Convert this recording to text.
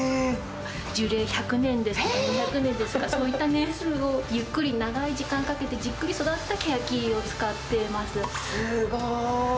樹齢１００年ですとか、２００年ですとか、そういった年数をゆっくり長い時間かけてじっくり育ったケヤキをすごい。